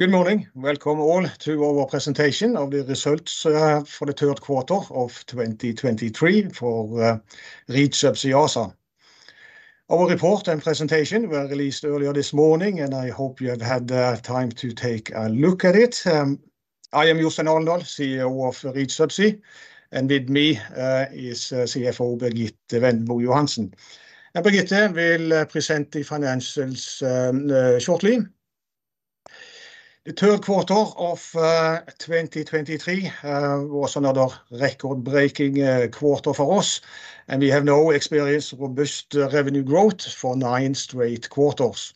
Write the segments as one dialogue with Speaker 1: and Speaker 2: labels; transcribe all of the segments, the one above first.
Speaker 1: Good morning. Welcome all to our Presentation of the Results for the Third Quarter of 2023 for Reach Subsea ASA. Our report and presentation were released earlier this morning, and I hope you have had the time to take a look at it. I am Jostein Alendal, CEO of Reach Subsea, and with me is CFO Birgitte Wendelbo Johansen. Birgitte will present the financials shortly. The third quarter of 2023 was another record-breaking quarter for us, and we have now experienced robust revenue growth for nine straight quarters.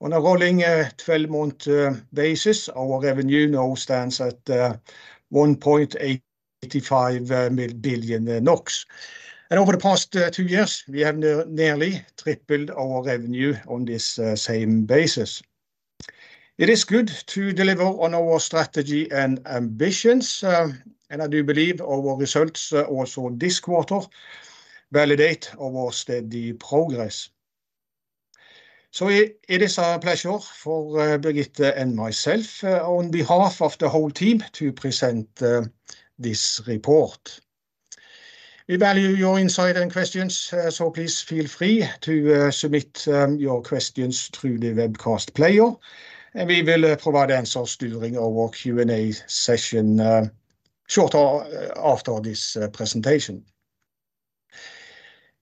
Speaker 1: On a rolling twelve-month basis, our revenue now stands at 1.85 billion NOK. Over the past two years, we have nearly tripled our revenue on this same basis. It is good to deliver on our strategy and ambitions, and I do believe our results also this quarter validate our steady progress. So it is a pleasure for Birgitte and myself, on behalf of the whole team, to present this report. We value your insight and questions, so please feel free to submit your questions through the webcast player, and we will provide answers during our Q&A session, shortly after this presentation.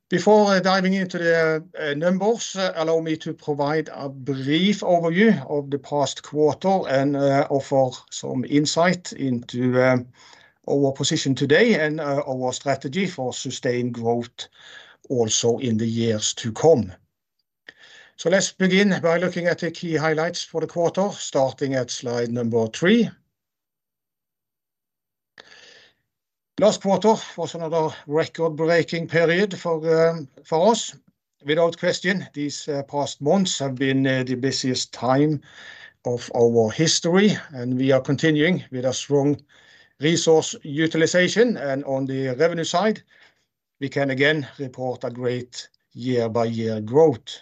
Speaker 1: Before diving into the numbers, allow me to provide a brief overview of the past quarter and offer some insight into our position today and our strategy for sustained growth also in the years to come. So let's begin by looking at the key highlights for the quarter, starting at slide number three. Last quarter was another record-breaking period for us. Without question, these past months have been the busiest time of our history, and we are continuing with a strong resource utilization. On the revenue side, we can again report a great year-over-year growth.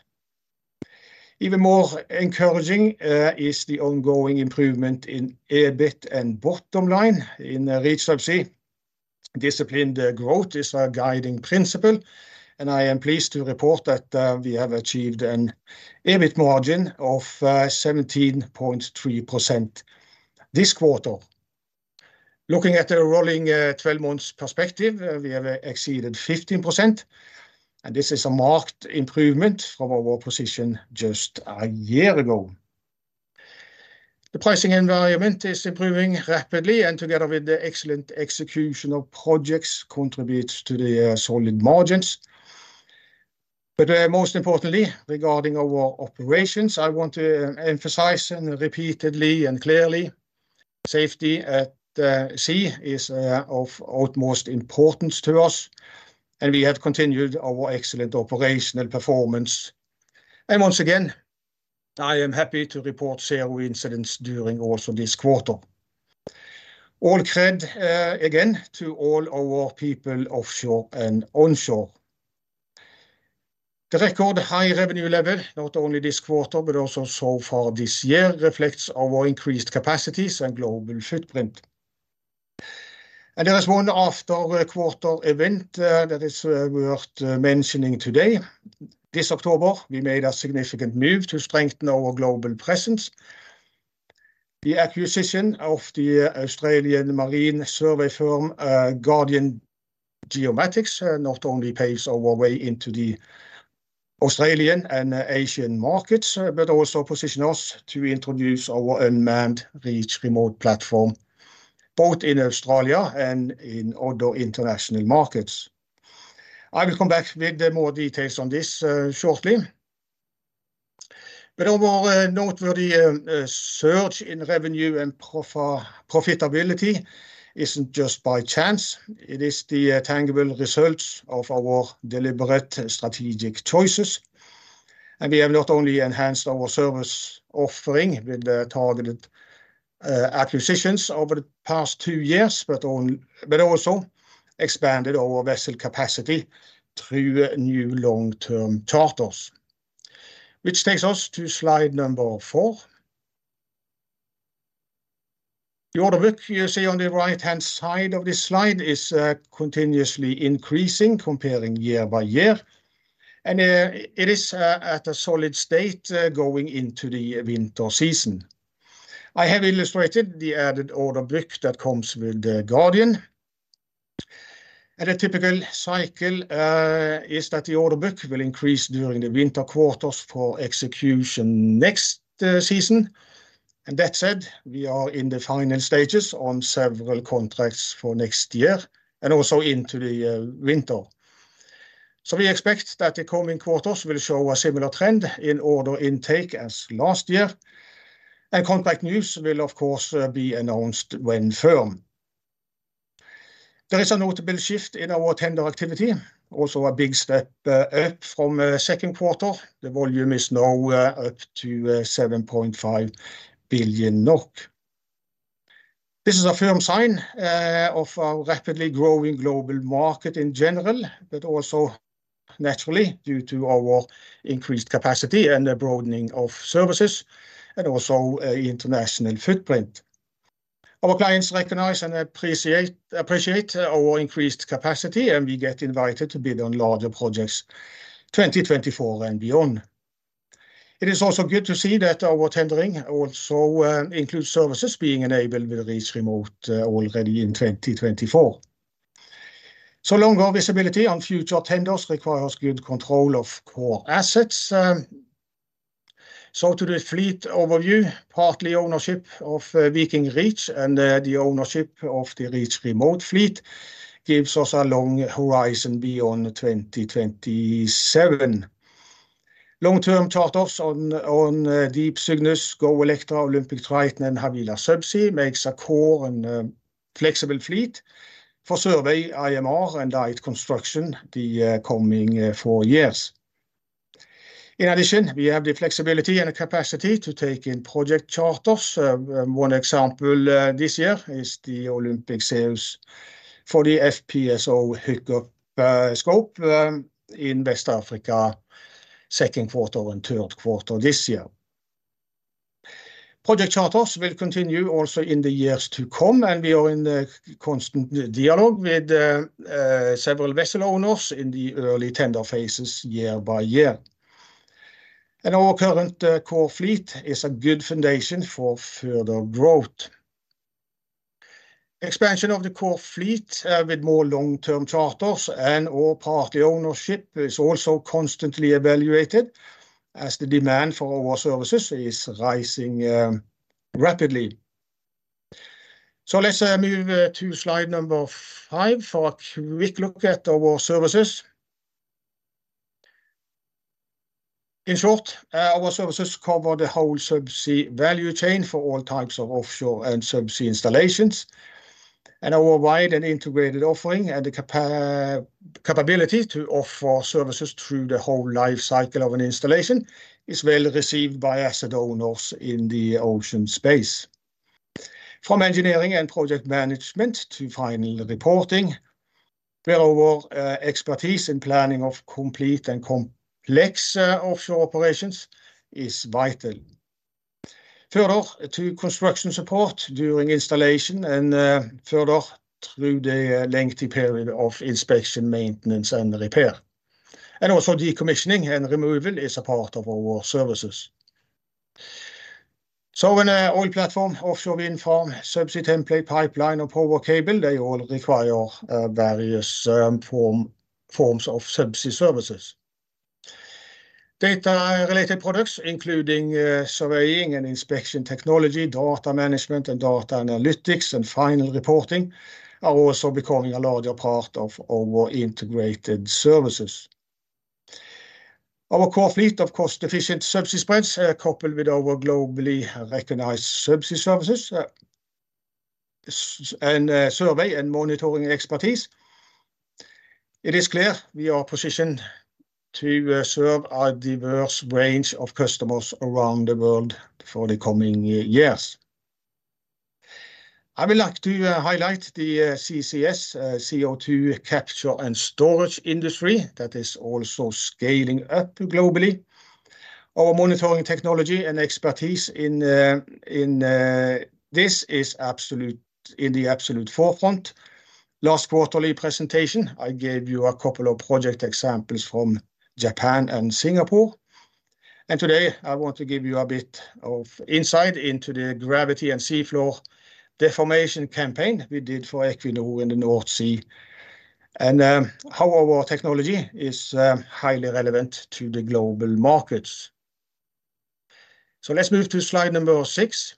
Speaker 1: Even more encouraging is the ongoing improvement in EBIT and bottom line. In Reach Subsea, disciplined growth is our guiding principle, and I am pleased to report that we have achieved an EBIT margin of 17.3% this quarter. Looking at the rolling 12 months perspective, we have exceeded 15%, and this is a marked improvement from our position just a year ago. The pricing environment is improving rapidly, and together with the excellent execution of projects, contributes to the solid margins. But most importantly, regarding our operations, I want to emphasize and repeatedly and clearly, safety at sea is of utmost importance to us, and we have continued our excellent operational performance. And once again, I am happy to report zero incidents during also this quarter. All credit again to all our people offshore and onshore. The record high revenue level, not only this quarter but also so far this year, reflects our increased capacities and global footprint. And there is one after quarter event that is worth mentioning today. This October, we made a significant move to strengthen our global presence. The acquisition of the Australian marine survey firm, Guardian Geomatics, not only paves our way into the Australian and Asian markets, but also position us to introduce our unmanned Reach Remote platform, both in Australia and in other international markets. I will come back with more details on this shortly. But our noteworthy surge in revenue and profitability isn't just by chance; it is the tangible results of our deliberate strategic choices. We have not only enhanced our service offering with the targeted acquisitions over the past two years, but also expanded our vessel capacity through new long-term charters. Which takes us to slide number four. The order book you see on the right-hand side of this slide is continuously increasing, comparing year-by-year, and it is at a solid state going into the winter season. I have illustrated the added order book that comes with the Guardian, and a typical cycle is that the order book will increase during the winter quarters for execution next season. That said, we are in the final stages on several contracts for next year and also into the winter. We expect that the coming quarters will show a similar trend in order intake as last year, and contract news will, of course, be announced when firm. There is a notable shift in our tender activity, also a big step up from second quarter. The volume is now up to 7.5 billion NOK. This is a firm sign of a rapidly growing global market in general, but also naturally, due to our increased capacity and the broadening of services, and also international footprint. Our clients recognize and appreciate, appreciate our increased capacity, and we get invited to bid on larger projects 2024 and beyond. It is also good to see that our tendering also includes services being enabled with Reach Remote already in 2024. So longer visibility on future tenders requires good control of core assets. So to the fleet overview, partly ownership of Viking Reach and the ownership of the Reach Remote fleet gives us a long horizon beyond 2027. Long-term charters on Deep Cygnus, Go Electra, Olympic Triton, and Havila Subsea makes a core and flexible fleet for survey IMR and light construction the coming four years. In addition, we have the flexibility and capacity to take in project charters. One example this year is the Olympic Zeus for the FPSO hookup scope in West Africa, second quarter and third quarter this year. Project charters will continue also in the years to come, and we are in constant dialogue with several vessel owners in the early tender phases year-by-year. Our current core fleet is a good foundation for further growth. Expansion of the core fleet with more long-term charters and or partly ownership is also constantly evaluated as the demand for our services is rising rapidly. Let's move to slide number five for a quick look at our services. In short, our services cover the whole subsea value chain for all types of offshore and subsea installations. Our wide and integrated offering and the capability to offer services through the whole life cycle of an installation is well received by asset owners in the ocean space. From engineering and project management to final reporting, where our expertise in planning of complete and complex offshore operations is vital. Further, to construction support during installation and further through the lengthy period of inspection, maintenance, and repair, and also decommissioning and removal is a part of our services. So when an oil platform, offshore wind farm, subsea template, pipeline, or power cable, they all require various forms of subsea services. Data-related products, including surveying and inspection technology, data management and data analytics, and final reporting, are also becoming a larger part of our integrated services. Our core fleet of cost-efficient subsea spreads coupled with our globally recognized subsea services and survey and monitoring expertise. It is clear we are positioned to serve a diverse range of customers around the world for the coming years. I would like to highlight the CCS, CO2 capture and storage industry that is also scaling up globally. Our monitoring technology and expertise in this is in the absolute forefront. Last quarterly presentation, I gave you a couple of project examples from Japan and Singapore. Today, I want to give you a bit of insight into the gravity and seafloor deformation campaign we did for Equinor in the North Sea, and how our technology is highly relevant to the global markets. Let's move to slide number six.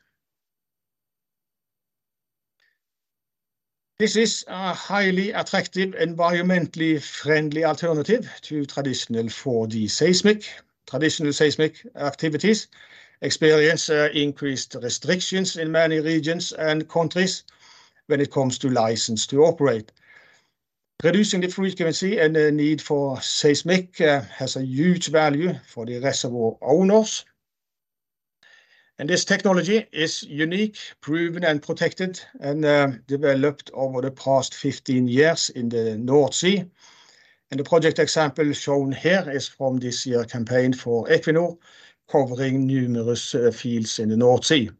Speaker 1: This is a highly attractive, environmentally friendly alternative to traditional 4D seismic. Traditional seismic activities experience increased restrictions in many regions and countries when it comes to license to operate. Reducing the frequency and the need for seismic has a huge value for the reservoir owners. This technology is unique, proven and protected, and developed over the past 15 years in the North Sea. The project example shown here is from this year's campaign for Equinor, covering numerous fields in the North Sea.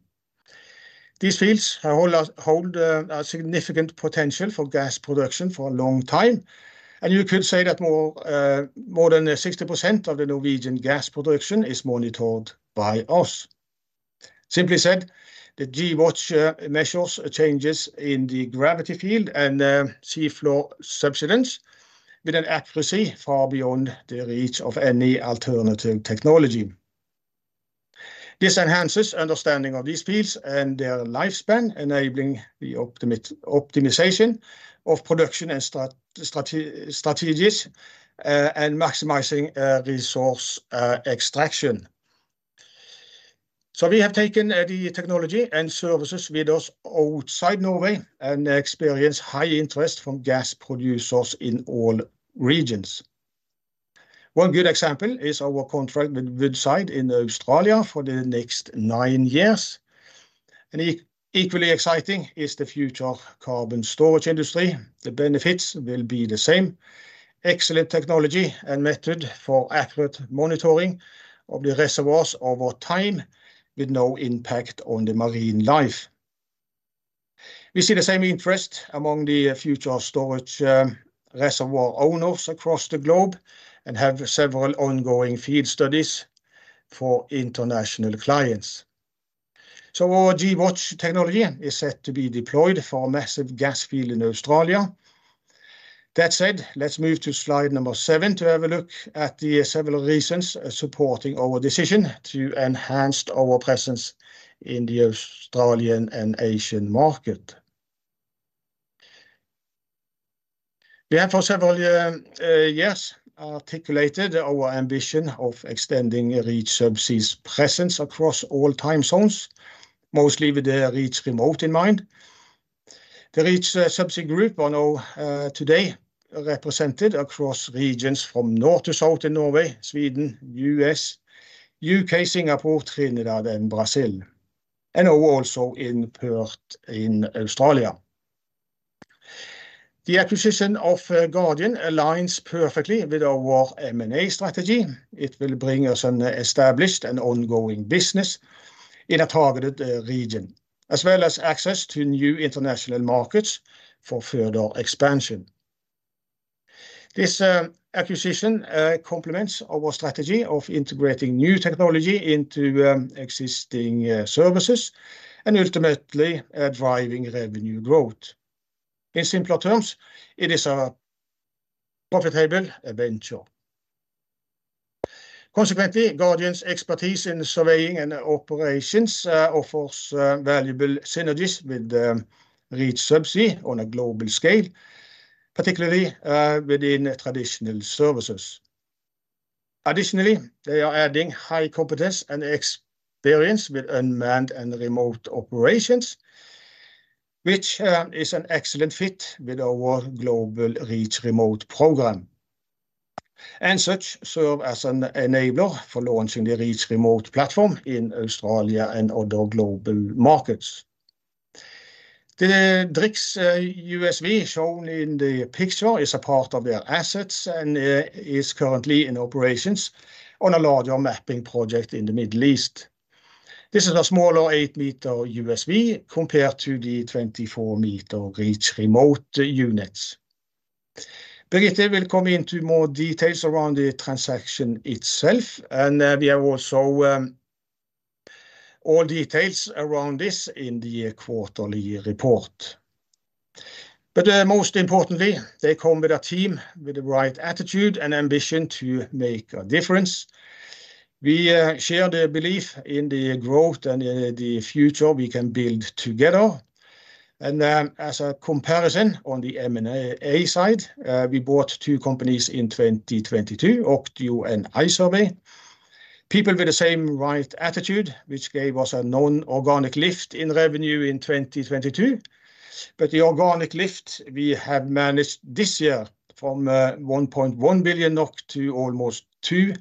Speaker 1: These fields hold a significant potential for gas production for a long time, and you could say that more than 60% of the Norwegian gas production is monitored by us. Simply said, the gWatch measures changes in the gravity field and seafloor subsidence with an accuracy far beyond the reach of any alternative technology. This enhances understanding of these fields and their lifespan, enabling the optimization of production and strategies, and maximizing resource extraction. So we have taken the technology and services with us outside Norway and experienced high interest from gas producers in all regions. One good example is our contract with Woodside in Australia for the next nine years. Equally exciting is the future carbon storage industry. The benefits will be the same: excellent technology and method for accurate monitoring of the reservoirs over time, with no impact on the marine life. We see the same interest among the future storage reservoir owners across the globe, and have several ongoing field studies for international clients. So our gWatch technology is set to be deployed for a massive gas field in Australia. That said, let's move to slide number seven to have a look at the several reasons supporting our decision to enhance our presence in the Australian and Asian market. We have for several years articulated our ambition of extending Reach Subsea presence across all time zones, mostly with the Reach Remote in mind. The Reach Subsea Group are now today represented across regions from north to south in Norway, Sweden, U.S., U.K., Singapore, Trinidad, and Brazil, and now also in Perth, in Australia. The acquisition of Guardian aligns perfectly with our M&A strategy. It will bring us an established and ongoing business in a targeted region, as well as access to new international markets for further expansion. This acquisition complements our strategy of integrating new technology into existing services and ultimately driving revenue growth. In simpler terms, it is a profitable venture. Consequently, Guardian's expertise in surveying and operations offers valuable synergies with Reach Subsea on a global scale, particularly within traditional services. Additionally, they are adding high competence and experience with unmanned and remote operations, which is an excellent fit with our global Reach Remote program, and as such serve as an enabler for launching the Reach Remote platform in Australia and other global markets. The DriX USV, shown in the picture, is a part of their assets and is currently in operations on a larger mapping project in the Middle East. This is a smaller 8-meter USV compared to the 24-meter Reach Remote units. Birgitte will come into more details around the transaction itself, and we have also all details around this in the quarterly report. But most importantly, they come with a team with the right attitude and ambition to make a difference. We share the belief in the growth and the future we can build together. As a comparison on the M&A side, we bought two companies in 2022, Octio and iSurvey. People with the same right attitude, which gave us a non-organic lift in revenue in 2022. But the organic lift we have managed this year from 1.1 billion NOK to almost 2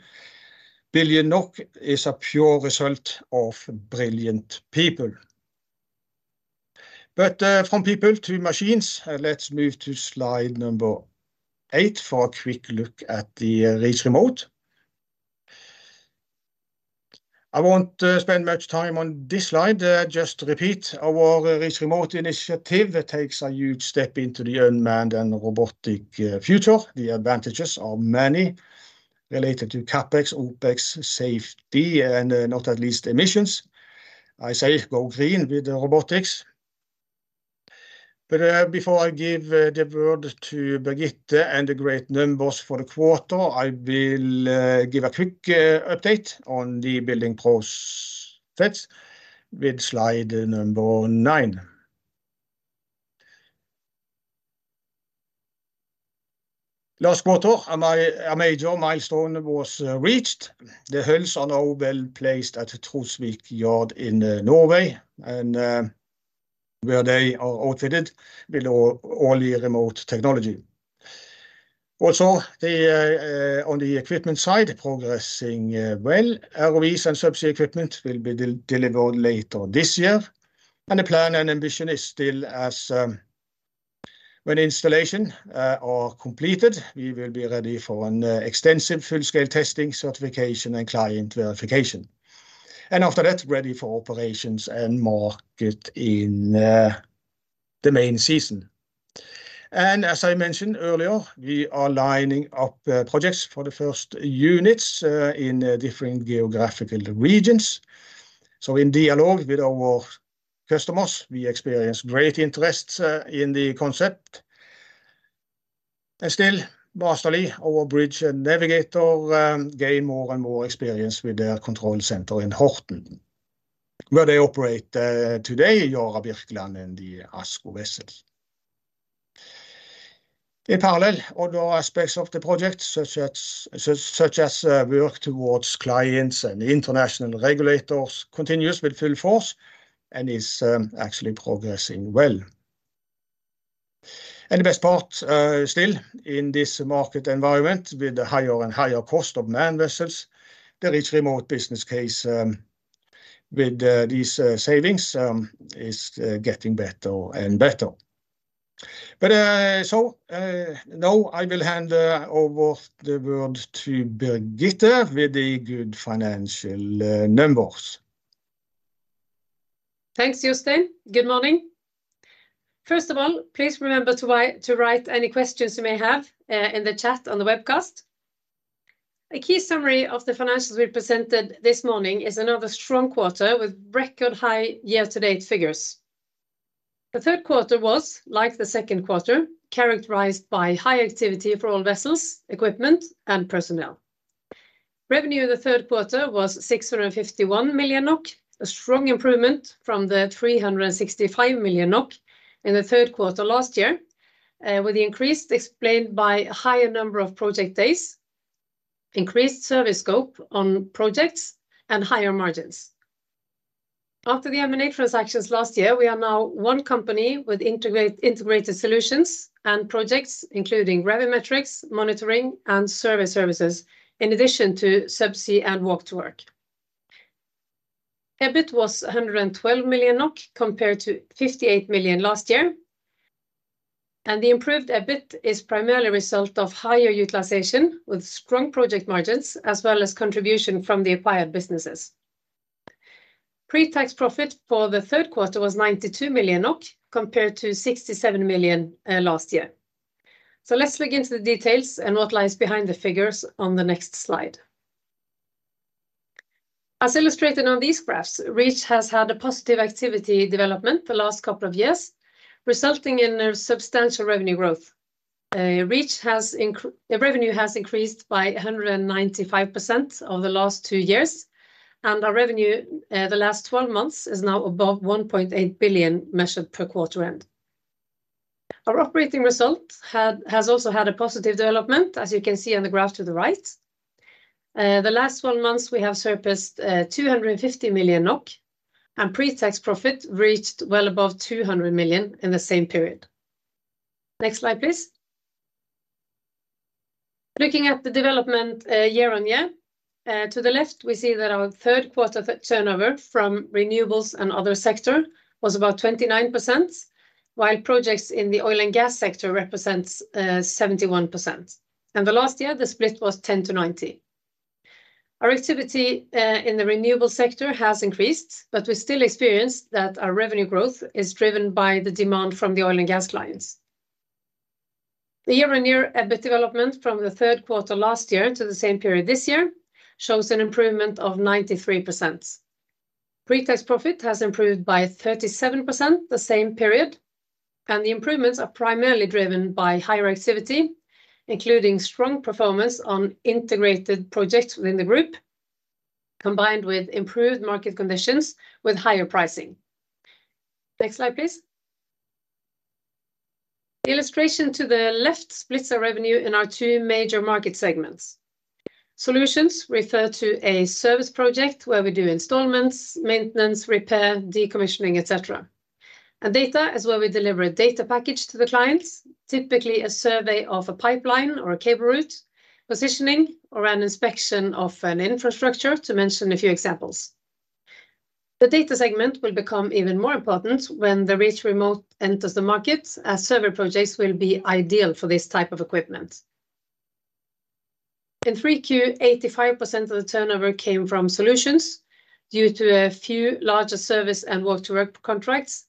Speaker 1: billion NOK is a pure result of brilliant people. But from people to machines, let's move to slide number eight for a quick look at the Reach Remote. I won't spend much time on this slide, just to repeat, our Reach Remote initiative takes a huge step into the unmanned and robotic future. The advantages are many, related to CapEx, OpEx, safety, and not at least emissions. I say go green with robotics. But before I give the word to Birgitte and the great numbers for the quarter, I will give a quick update on the building process with slide number nine. Last quarter, a major milestone was reached. The hulls are now well-placed at the Trosvik yard in Norway, and where they are outfitted with our Reach Remote technology. Also, on the equipment side, progressing well. ROVs and subsea equipment will be delivered later this year, and the plan and ambition is still as. When installation are completed, we will be ready for an extensive full-scale testing, certification, and client verification. And after that, ready for operations and market in the main season. And as I mentioned earlier, we are lining up projects for the first units in different geographical regions. So in dialogue with our customers, we experience great interest in the concept. And still, Massterly, our bridge and navigator, gain more and more experience with their control center in Horten, where they operate today, Yara Birkeland and the ASKO vessels. In parallel, other aspects of the project, such as work towards clients and international regulators, continues with full force and is actually progressing well. And the best part, still in this market environment, with the higher and higher cost of manned vessels, the Reach Remote business case, with these savings, is getting better and better. But so now I will hand over the word to Birgitte with the good financial numbers.
Speaker 2: Thanks, Jostein. Good morning. First of all, please remember to write any questions you may have in the chat on the webcast. A key summary of the financials we presented this morning is another strong quarter, with record high year-to-date figures. The third quarter was, like the second quarter, characterized by high activity for all vessels, equipment, and personnel. Revenue in the third quarter was 651 million NOK, a strong improvement from 365 million NOK in the third quarter last year, with the increase explained by a higher number of project days, increased service scope on projects, and higher margins. After the M&A transactions last year, we are now one company with integrated solutions and projects, including Gravimetrics, monitoring, and survey services, in addition to subsea and Walk-to-Work. EBIT was 112 million NOK, compared to 58 million last year, and the improved EBIT is primarily a result of higher utilization, with strong project margins, as well as contribution from the acquired businesses. Pre-tax profit for the third quarter was 92 million, compared to 67 million last year. So let's look into the details and what lies behind the figures on the next slide. As illustrated on these graphs, Reach has had a positive activity development the last couple of years, resulting in a substantial revenue growth. Reach has – the revenue has increased by 195% over the last two years, and our revenue, the last 12 months, is now above 1.8 billion, measured per quarter end. Our operating result has also had a positive development, as you can see on the graph to the right. The last 12 months, we have surpassed 250 million NOK, and pre-tax profit reached well above 200 million in the same period. Next slide, please. Looking at the development, year-on-year, to the left, we see that our third quarter turnover from renewables and other sector was about 29%, while projects in the oil and gas sector represents 71%, and the last year, the split was 10%-90%. Our activity in the renewable sector has increased, but we still experience that our revenue growth is driven by the demand from the oil and gas clients. The year-on-year EBIT development from the third quarter last year to the same period this year shows an improvement of 93%. Pre-tax profit has improved by 37% the same period, and the improvements are primarily driven by higher activity, including strong performance on integrated projects within the group, combined with improved market conditions with higher pricing. Next slide, please. The illustration to the left splits our revenue in our two major market segments. Solutions refer to a service project where we do installations, maintenance, repair, decommissioning, et cetera. Data is where we deliver a data package to the clients, typically a survey of a pipeline or a cable route, positioning or an inspection of an infrastructure, to mention a few examples. The data segment will become even more important when the Reach Remote enters the market, as survey projects will be ideal for this type of equipment. In 3Q, 85% of the turnover came from solutions due to a few larger service and Walk-to-Work contracts,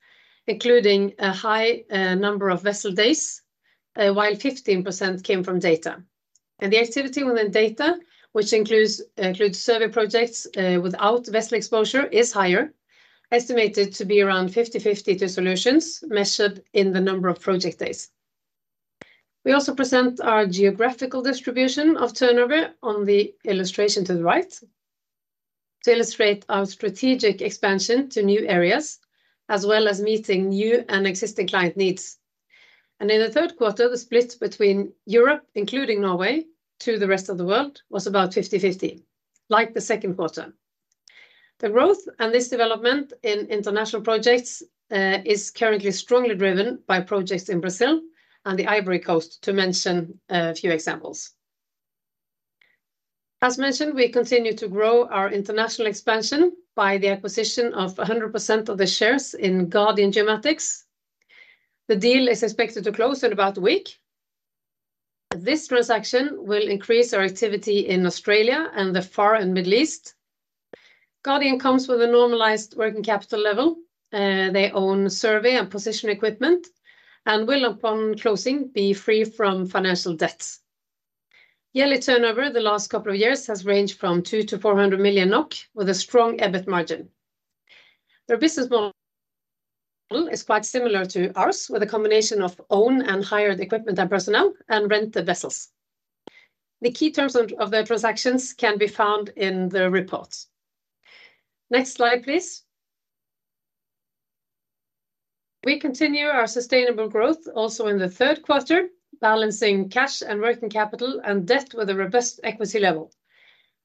Speaker 2: including a high number of vessel days, while 15% came from data. The activity within data, which includes survey projects without vessel exposure, is higher, estimated to be around 50/50 to solutions measured in the number of project days. We also present our geographical distribution of turnover on the illustration to the right, to illustrate our strategic expansion to new areas, as well as meeting new and existing client needs. In the third quarter, the split between Europe, including Norway, to the rest of the world, was about 50/50, like the second quarter. The growth and this development in international projects is currently strongly driven by projects in Brazil and the Ivory Coast, to mention a few examples. As mentioned, we continue to grow our international expansion by the acquisition of 100% of the shares in Guardian Geomatics. The deal is expected to close in about a week. This transaction will increase our activity in Australia and the Far and Middle East. Guardian comes with a normalized working capital level. They own survey and position equipment and will, upon closing, be free from financial debts. Yearly turnover the last couple of years has ranged from 200 million-400 million NOK, with a strong EBIT margin. Their business model is quite similar to ours, with a combination of owned and hired equipment and personnel and rented vessels. The key terms of the transactions can be found in the report. Next slide, please. We continue our sustainable growth also in the third quarter, balancing cash and working capital and debt with a robust equity level.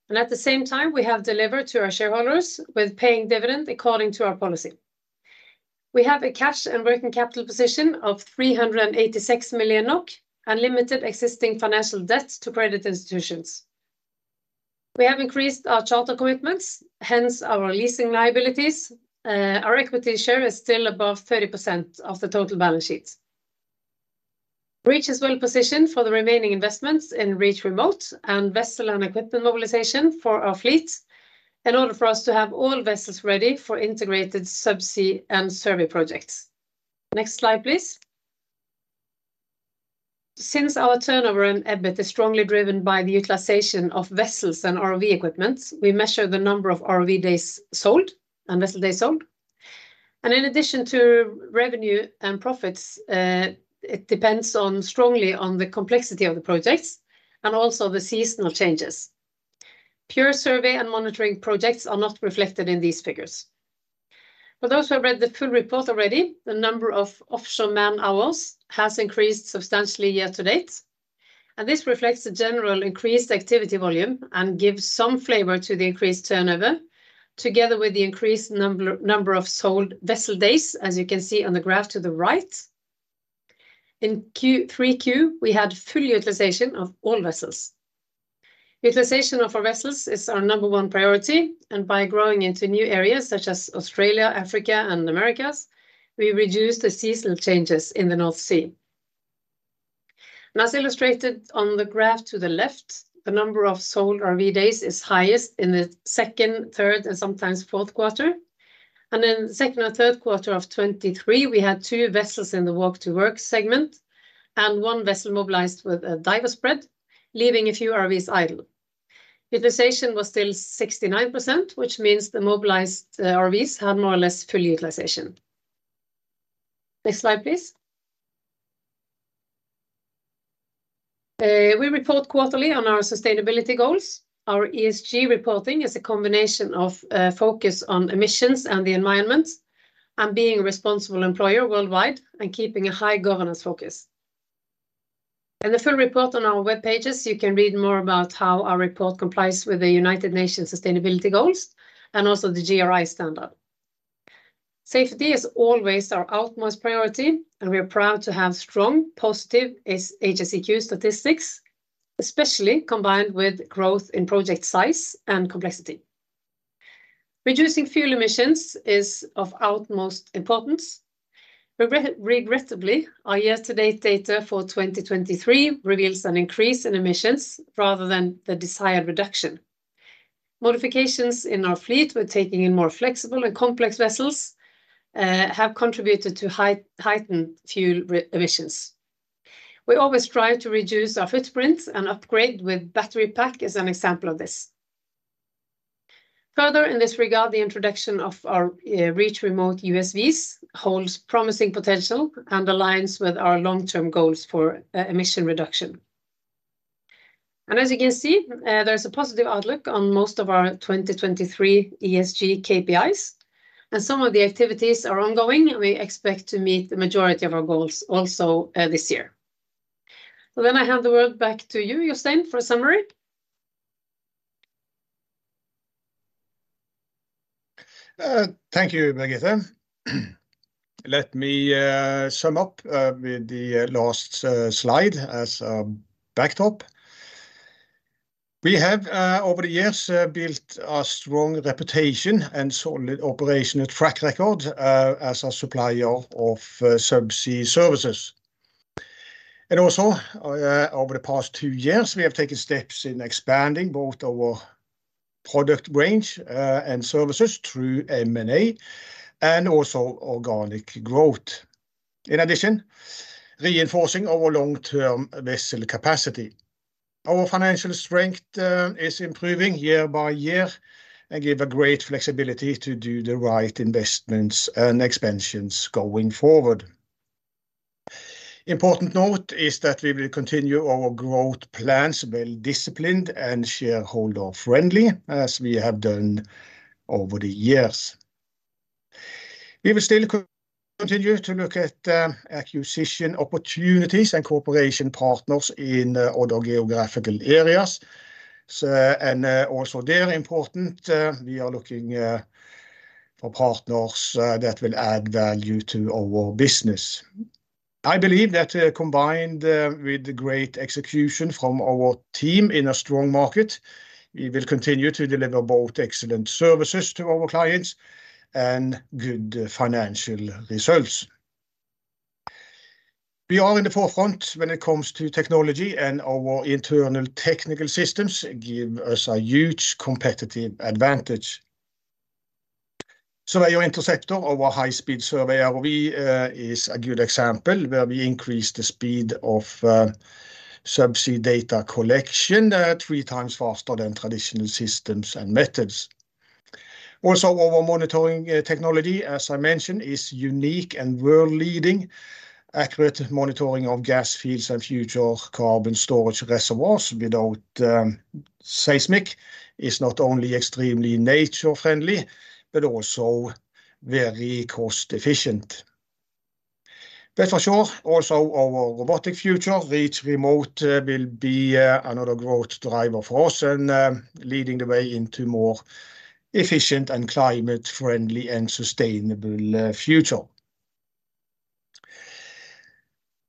Speaker 2: At the same time, we have delivered to our shareholders with paying dividend according to our policy. We have a cash and working capital position of 386 million NOK, and limited existing financial debts to credit institutions. We have increased our charter commitments, hence our leasing liabilities. Our equity share is still above 30% of the total balance sheet. Reach is well positioned for the remaining investments in Reach Remote and vessel and equipment mobilization for our fleet, in order for us to have all vessels ready for integrated subsea and survey projects. Next slide, please. Since our turnover and EBIT is strongly driven by the utilization of vessels and ROV equipment, we measure the number of ROV days sold and vessel days sold. In addition to revenue and profits, it depends strongly on the complexity of the projects and also the seasonal changes. Pure survey and monitoring projects are not reflected in these figures. For those who have read the full report already, the number of offshore man-hours has increased substantially year-to-date, and this reflects the general increased activity volume and gives some flavor to the increased turnover, together with the increased number, number of sold vessel days, as you can see on the graph to the right. In Q3, we had full utilization of all vessels. Utilization of our vessels is our number one priority, and by growing into new areas such as Australia, Africa, and Americas, we reduce the seasonal changes in the North Sea. As illustrated on the graph to the left, the number of sold ROV days is highest in the second, third, and sometimes fourth quarter. In the second or third quarter of 2023, we had two vessels in the Walk-to-Work segment and 1 vessel mobilized with a diver spread, leaving a few ROVs idle. Utilization was still 69%, which means the mobilized ROVs had more or less full utilization. Next slide, please. We report quarterly on our sustainability goals. Our ESG reporting is a combination of focus on emissions and the environment, and being a responsible employer worldwide, and keeping a high governance focus. In the full report on our web pages, you can read more about how our report complies with the United Nations sustainability goals and also the GRI standard. Safety is always our utmost priority, and we are proud to have strong, positive HSEQ statistics, especially combined with growth in project size and complexity. Reducing fuel emissions is of utmost importance. Regrettably, our year-to-date data for 2023 reveals an increase in emissions rather than the desired reduction. Modifications in our fleet, we're taking in more flexible and complex vessels, have contributed to heightened fuel emissions. We always try to reduce our footprint, and upgrade with battery pack is an example of this. Further, in this regard, the introduction of our Reach Remote USVs holds promising potential and aligns with our long-term goals for emission reduction. As you can see, there's a positive outlook on most of our 2023 ESG KPIs, and some of the activities are ongoing, and we expect to meet the majority of our goals also this year. Then I hand the word back to you, Jostein, for a summary.
Speaker 1: Thank you, Birgitte. Let me sum up with the last slide as a backdrop. We have, over the years, built a strong reputation and solid operational track record as a supplier of subsea services. Also, over the past two years, we have taken steps in expanding both our product range and services through M&A, and also organic growth. In addition, reinforcing our long-term vessel capacity. Our financial strength is improving year-by-year and give a great flexibility to do the right investments and expansions going forward. Important note is that we will continue our growth plans, well-disciplined and shareholder-friendly, as we have done over the years. We will still continue to look at acquisition opportunities and cooperation partners in other geographical areas. Also, they're important. We are looking for partners that will add value to our business. I believe that, combined with the great execution from our team in a strong market, we will continue to deliver both excellent services to our clients and good financial results. We are in the forefront when it comes to technology, and our internal technical systems give us a huge competitive advantage. Surveyor Interceptor, our high-speed survey ROV, is a good example where we increase the speed of subsea data collection 3x faster than traditional systems and methods. Also, our monitoring technology, as I mentioned, is unique and world-leading. Accurate monitoring of gas fields and future carbon storage reservoirs without seismic is not only extremely nature-friendly, but also very cost-efficient. But for sure, also our robotic future, Reach Remote, will be another growth driver for us and, leading the way into more efficient and climate-friendly and sustainable future.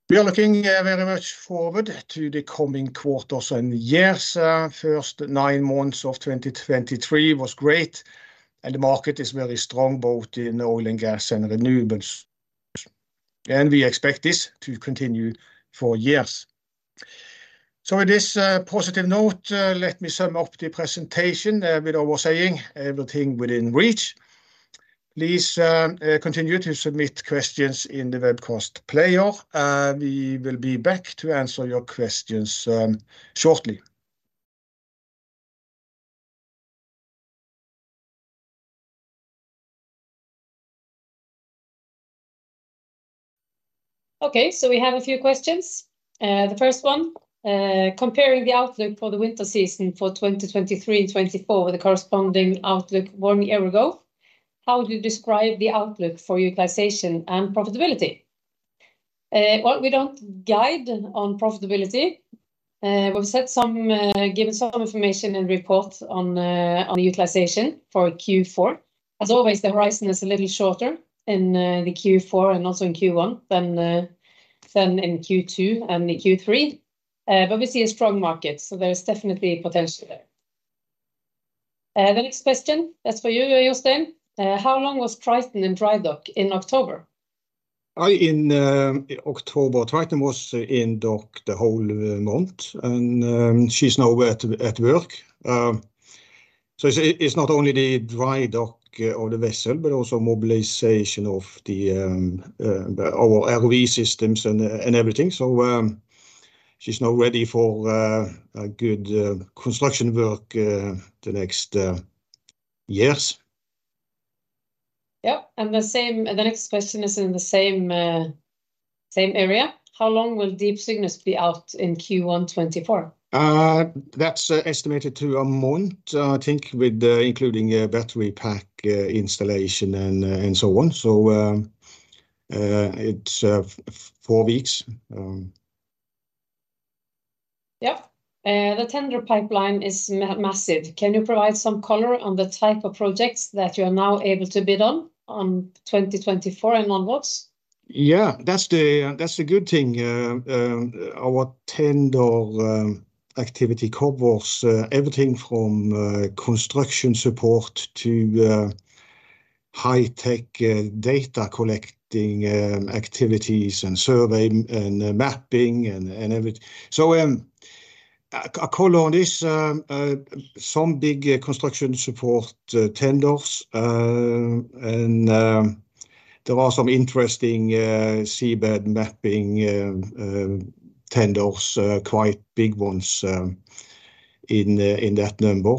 Speaker 1: We are looking very much forward to the coming quarters and years. First nine months of 2023 was great, and the market is very strong, both in oil and gas and renewables, and we expect this to continue for years. So with this positive note, let me sum up the presentation with our saying, "Everything within reach." Please continue to submit questions in the webcast player, and we will be back to answer your questions shortly.
Speaker 2: Okay, so we have a few questions. The first one: Comparing the outlook for the winter season for 2023 and 2024 with the corresponding outlook one year ago, how would you describe the outlook for utilization and profitability? Well, we don't guide on profitability. We've said some--given some information and reports on, on the utilization for Q4. As always, the horizon is a little shorter in the Q4 and also in Q1 than than in Q2 and Q3. But we see a strong market, so there is definitely potential there. The next question is for you, Jostein. How long was Triton in dry dock in October?
Speaker 1: In October, Triton was in dock the whole month, and she's now at work. So it's not only the dry dock of the vessel, but also mobilization of our LV systems and everything. So she's now ready for a good construction work the next years.
Speaker 2: Yep, and the same—the next question is in the same, same area. How long will Deep Cygnus be out in Q1 2024?
Speaker 1: That's estimated to a month, I think, with including a battery pack installation and so on. So, it's four weeks.
Speaker 2: Yep. The tender pipeline is massive. Can you provide some color on the type of projects that you are now able to bid on, on 2024 and onwards?
Speaker 1: Yeah, that's the, that's the good thing. Our tender activity covers everything from construction support to high-tech data collecting activities and survey and mapping. So, a call on this, some big construction support tenders. And there are some interesting seabed mapping tenders, quite big ones, in the- in that number.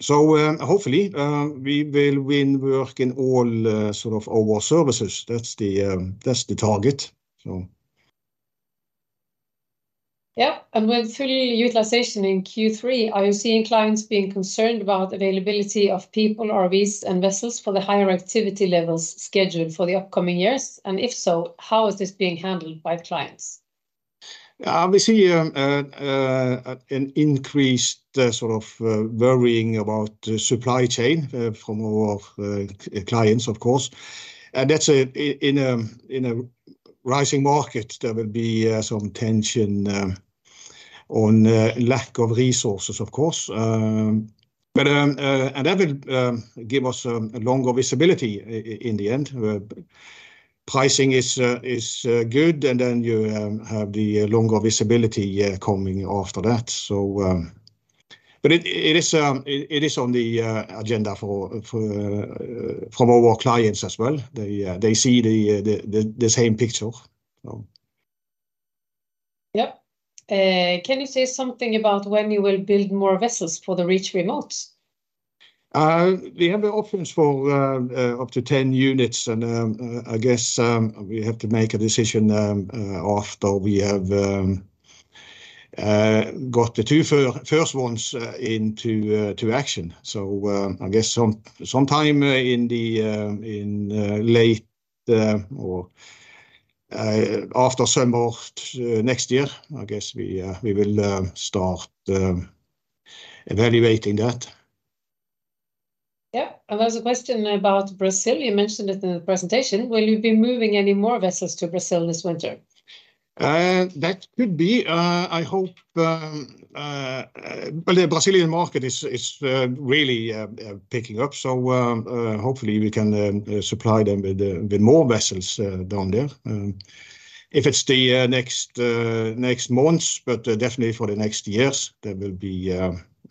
Speaker 1: So, hopefully, we will win work in all sort of our services. That's the, that's the target, so...
Speaker 2: Yep. And with full utilization in Q3, are you seeing clients being concerned about availability of people, ROVs, and vessels for the higher activity levels scheduled for the upcoming years? And if so, how is this being handled by the clients?
Speaker 1: We see an increased sort of worrying about the supply chain from our clients, of course. And that's in a rising market, there will be some tension on the lack of resources, of course. And that will give us a longer visibility in the end. Pricing is good, and then you have the longer visibility coming after that. So but it is on the agenda for our clients as well. They see the same picture, so...
Speaker 2: Yep. Can you say something about when you will build more vessels for the Reach Remotes?
Speaker 1: We have the options for up to 10 units, and I guess we have to make a decision after we have got the two first ones into the action. So, I guess sometime in the late or after summer next year, I guess we will start evaluating that.
Speaker 2: Yep. There's a question about Brazil. You mentioned it in the presentation. Will you be moving any more vessels to Brazil this winter?
Speaker 1: That could be, I hope. Well, the Brazilian market is really picking up, so hopefully, we can supply them with more vessels down there. If it's the next months, but definitely for the next years, there will be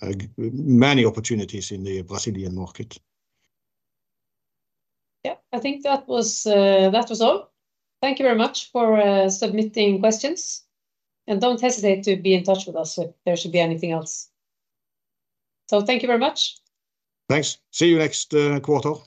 Speaker 1: a many opportunities in the Brazilian market.
Speaker 2: Yep. I think that was, that was all. Thank you very much for submitting questions, and don't hesitate to be in touch with us if there should be anything else. So thank you very much.
Speaker 1: Thanks. See you next quarter.